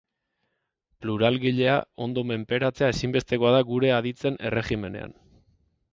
Pluralgilea ondo menperatzea ezinbestekoa da gure aditzen erregimenean.